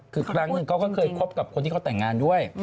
คือครั้งหนึ่งเขาก็เคยคบกับคนที่เขาแต่งงานด้วย